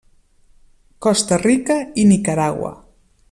Costa Rica i Nicaragua.